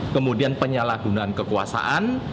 kemudian penyalahgunaan kekuasaan